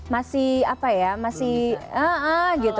masih apa ya masih ah gitu